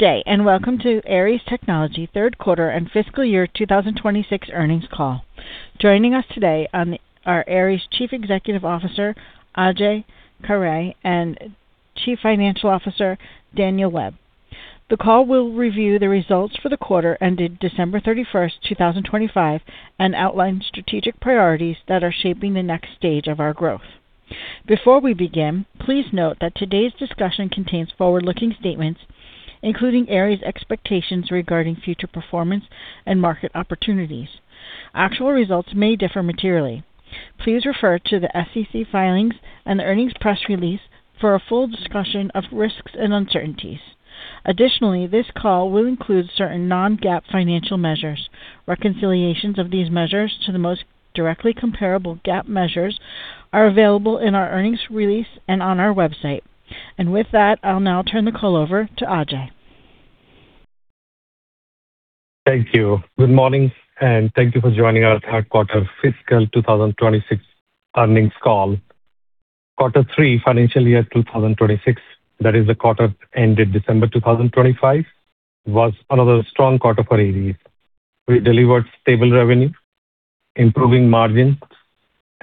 Today, and welcome to Aeries Technology third quarter and fiscal year 2026 earnings call. Joining us today on the call are Aeries Chief Executive Officer Ajay Khare and Chief Financial Officer Daniel Webb. The call will review the results for the quarter ended December 31st, 2025, and outline strategic priorities that are shaping the next stage of our growth. Before we begin, please note that today's discussion contains forward-looking statements, including Aeries' expectations regarding future performance and market opportunities. Actual results may differ materially. Please refer to the SEC filings and the earnings press release for a full discussion of risks and uncertainties. Additionally, this call will include certain non-GAAP financial measures. Reconciliations of these measures to the most directly comparable GAAP measures are available in our earnings release and on our website. With that, I'll now turn the call over to Ajay. Thank you. Good morning, and thank you for joining our third quarter fiscal 2026 earnings call. Quarter three financial year 2026, that is the quarter ended December 2025, was another strong quarter for Aeries. We delivered stable revenue, improving margins,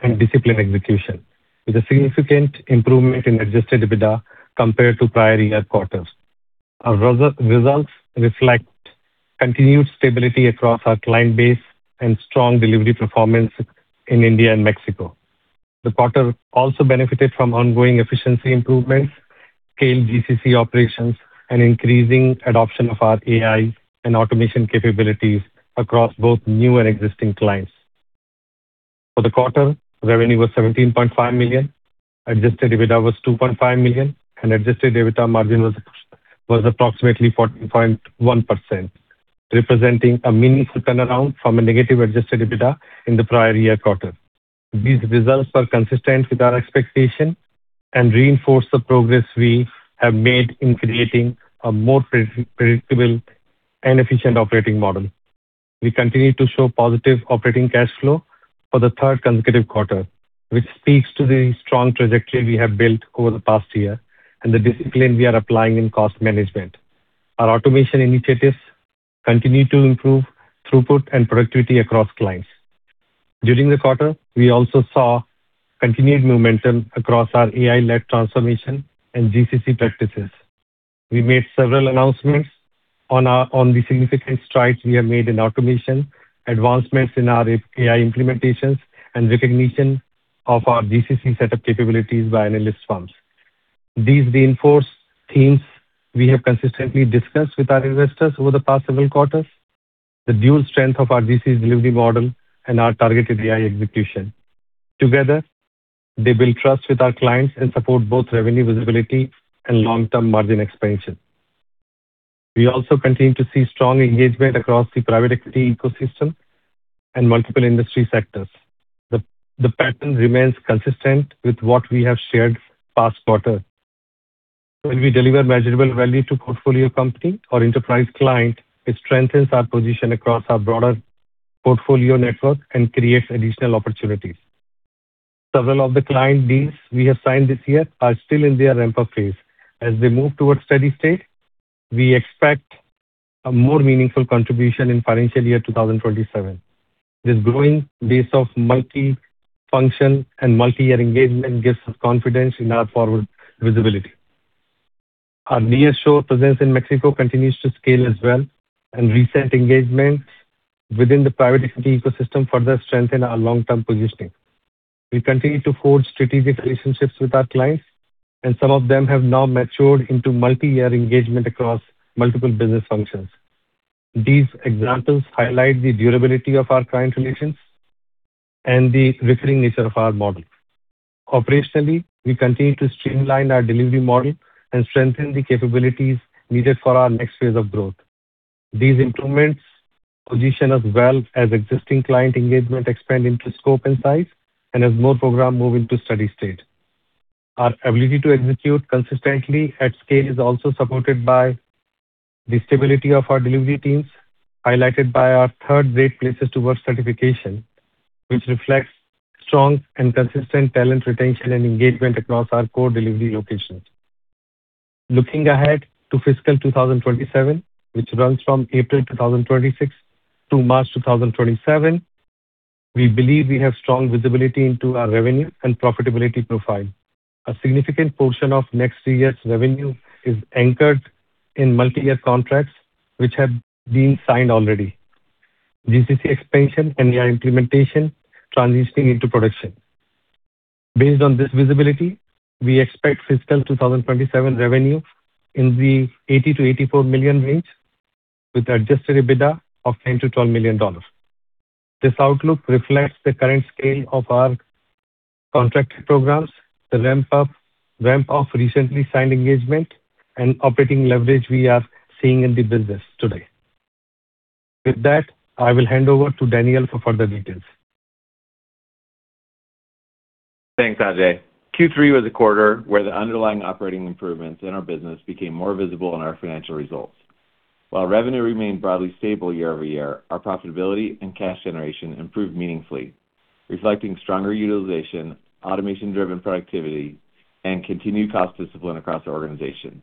and disciplined execution, with a significant improvement in Adjusted EBITDA compared to prior year quarters. Our results reflect continued stability across our client base and strong delivery performance in India and Mexico. The quarter also benefited from ongoing efficiency improvements, scaled GCC operations, and increasing adoption of our AI and automation capabilities across both new and existing clients. For the quarter, revenue was $17.5 million, Adjusted EBITDA was $2.5 million, and Adjusted EBITDA margin was approximately 14.1%, representing a meaningful turnaround from a negative Adjusted EBITDA in the prior year quarter. These results are consistent with our expectations and reinforce the progress we have made in creating a more predictable and efficient operating model. We continue to show positive operating cash flow for the third consecutive quarter, which speaks to the strong trajectory we have built over the past year and the discipline we are applying in cost management. Our automation initiatives continue to improve throughput and productivity across clients. During the quarter, we also saw continued momentum across our AI-led transformation and GCC practices. We made several announcements on the significant strides we have made in automation, advancements in our AI implementations, and recognition of our GCC setup capabilities by analyst firms. These reinforce themes we have consistently discussed with our investors over the past several quarters: the dual strength of our GCC delivery model and our targeted AI execution. Together, they build trust with our clients and support both revenue visibility and long-term margin expansion. We also continue to see strong engagement across the Private Equity ecosystem and multiple industry sectors. The pattern remains consistent with what we have shared past quarter. When we deliver measurable value to portfolio company or enterprise client, it strengthens our position across our broader portfolio network and creates additional opportunities. Several of the client deals we have signed this year are still in their ramp-up phase. As they move towards steady state, we expect a more meaningful contribution in financial year 2027. This growing base of multi-function and multi-year engagement gives us confidence in our forward visibility. Our nearshore presence in Mexico continues to scale as well, and recent engagements within the Private Equity ecosystem further strengthen our long-term positioning. We continue to forge strategic relationships with our clients, and some of them have now matured into multi-year engagement across multiple business functions. These examples highlight the durability of our client relations and the recurring nature of our model. Operationally, we continue to streamline our delivery model and strengthen the capabilities needed for our next phase of growth. These improvements position us well as existing client engagement expand into scope and size, and as more programs move into steady state. Our ability to execute consistently at scale is also supported by the stability of our delivery teams, highlighted by our third Great Place to Work certification, which reflects strong and consistent talent retention and engagement across our core delivery locations. Looking ahead to fiscal 2027, which runs from April 2026 to March 2027, we believe we have strong visibility into our revenue and profitability profile. A significant portion of next year's revenue is anchored in multi-year contracts which have been signed already: GCC expansion and AI implementation transitioning into production. Based on this visibility, we expect fiscal 2027 revenue in the $80 million-$84 million range with Adjusted EBITDA of $10 million-$12 million. This outlook reflects the current scale of our contracted programs, the ramp-up of recently signed engagement, and operating leverage we are seeing in the business today. With that, I will hand over to Daniel for further details. Thanks, Ajay. Q3 was a quarter where the underlying operating improvements in our business became more visible in our financial results. While revenue remained broadly stable year-over-year, our profitability and cash generation improved meaningfully, reflecting stronger utilization, automation-driven productivity, and continued cost discipline across the organization.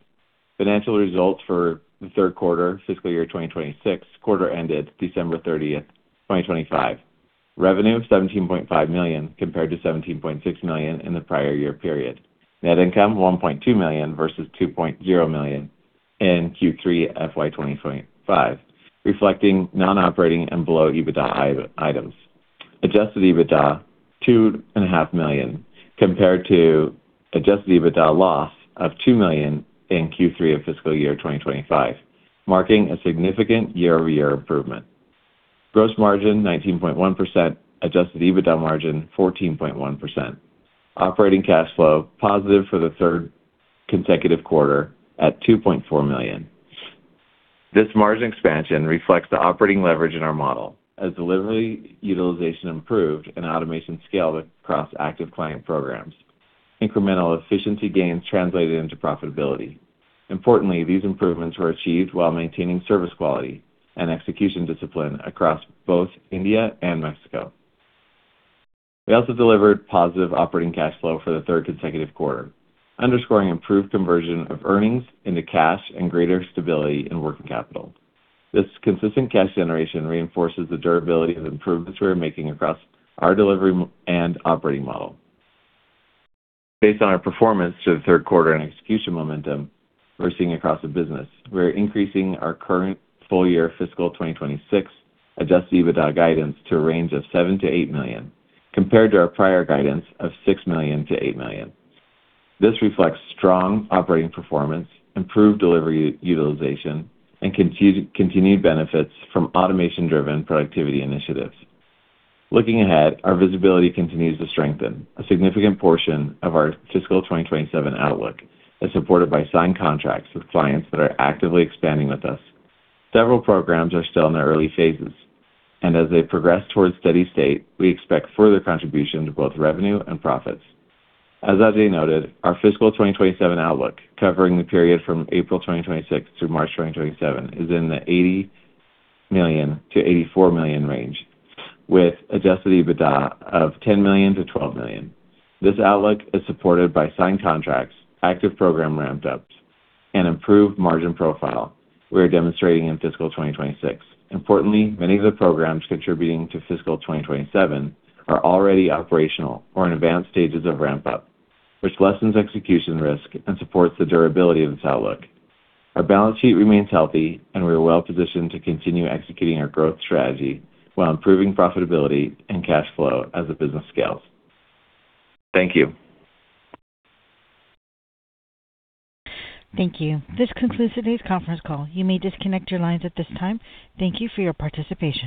Financial results for the third quarter fiscal year 2026 quarter ended December 30th, 2025: revenue $17.5 million compared to $17.6 million in the prior year period, net income $1.2 million versus $2.0 million in Q3 FY 2025, reflecting non-operating and below EBITDA items. Adjusted EBITDA $2.5 million compared to adjusted EBITDA loss of $2 million in Q3 of fiscal year 2025, marking a significant year-over-year improvement. Gross margin 19.1%, adjusted EBITDA margin 14.1%. Operating cash flow positive for the third consecutive quarter at $2.4 million. This margin expansion reflects the operating leverage in our model as delivery utilization improved and automation scaled across active client programs. Incremental efficiency gains translated into profitability. Importantly, these improvements were achieved while maintaining service quality and execution discipline across both India and Mexico. We also delivered positive Operating Cash Flow for the third consecutive quarter, underscoring improved conversion of earnings into cash and greater stability in working capital. This consistent cash generation reinforces the durability of improvements we are making across our delivery and operating model. Based on our performance for the third quarter and execution momentum we're seeing across the business, we're increasing our current full year fiscal 2026 Adjusted EBITDA guidance to a range of $7 million-$8 million compared to our prior guidance of $6 million-$8 million. This reflects strong operating performance, improved delivery utilization, and continued benefits from automation-driven productivity initiatives. Looking ahead, our visibility continues to strengthen. A significant portion of our fiscal 2027 outlook is supported by signed contracts with clients that are actively expanding with us. Several programs are still in their early phases, and as they progress towards steady state, we expect further contribution to both revenue and profits. As Ajay noted, our fiscal 2027 outlook covering the period from April 2026 through March 2027 is in the $80 million-$84 million range, with Adjusted EBITDA of $10 million-$12 million. This outlook is supported by signed contracts, active program ramp-ups, and improved margin profile we are demonstrating in fiscal 2026. Importantly, many of the programs contributing to fiscal 2027 are already operational or in advanced stages of ramp-up, which lessens execution risk and supports the durability of this outlook. Our balance sheet remains healthy, and we are well positioned to continue executing our growth strategy while improving profitability and cash flow as the business scales. Thank you. Thank you. This concludes today's conference call. You may disconnect your lines at this time. Thank you for your participation.